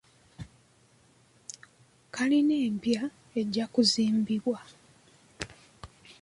Kkalina empya ejja kuzimbibwa.